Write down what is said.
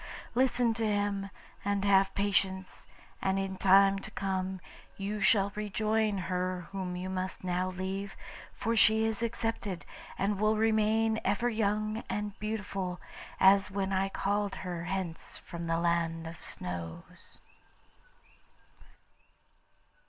Listen to him, and have patience, and in time to come you shall rejoin her whom you must now leave, for she is accepted, and will remain ever young and beautiful, as when I called her hence from the Land of Snows.